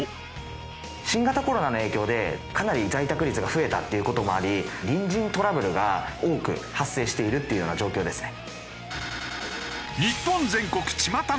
新型コロナの影響でかなり在宅率が増えたっていう事もあり隣人トラブルが多く発生しているっていうような状況ですね。